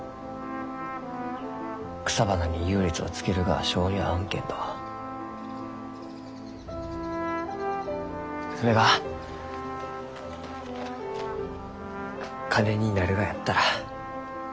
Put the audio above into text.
草花に優劣をつけるがは性に合わんけんどそれが金になるがやったら。